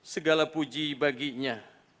segala puji baginya